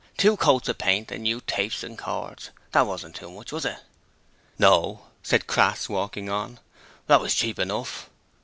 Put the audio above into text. Two coats of paint, and new tapes and cords. That wasn't too much, was it?' 'No,' said Crass, walking on; 'that was cheap enough!'